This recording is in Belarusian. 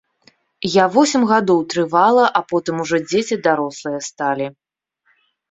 Я восем гадоў трывала, а потым ужо дзеці дарослыя сталі.